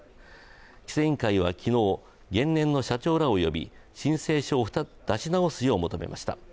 規制委員会は昨日、原燃の社長らを呼び申請書を出し直すよう求めました。